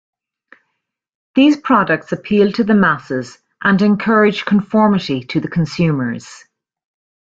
These products appeal to the masses and encourage conformity to the consumers.